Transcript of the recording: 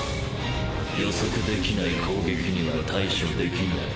予測できない攻撃には対処できない。